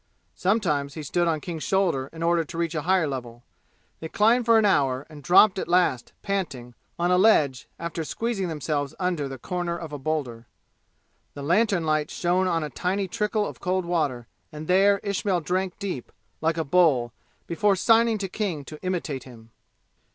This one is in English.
Sometimes he stood on King's shoulder in order to reach a higher level. They climbed for an hour and dropped at last panting, on a ledge, after squeezing themselves under the corner of a boulder. The lantern light shone on a tiny trickle of cold water, and there Ismail drank deep, like a bull, before signing to King to imitate him.